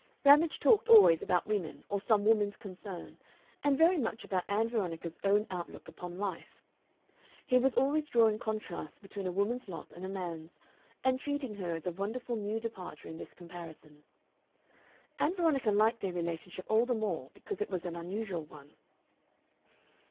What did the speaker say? Ramage talked always about women or some woman's concern, and very much about Ann Veronica's own outlook upon life. He was always drawing contrasts between a woman's lot and a man's, and treating her as a wonderful new departure in this comparison. Ann Veronica liked their relationship all the more because it was an unusual one.